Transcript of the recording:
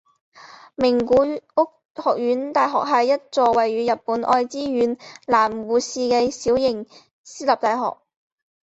名古屋学院大学是一所位于日本爱知县濑户市的小型私立大学。